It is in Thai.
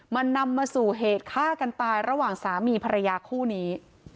มันนำมาสู่เหตุฆ่ากันตายระหว่างสามีภรรยาคู่นี้